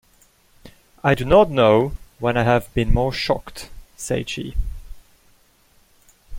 “I do not know when I have been more shocked,” said she.